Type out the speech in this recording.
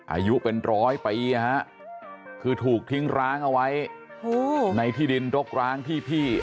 อายุเป็นร้อยปีนะฮะคือถูกทิ้งร้างเอาไว้ในที่ดินรกร้างที่พี่